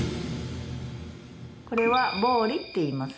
これはぼうりっていいます。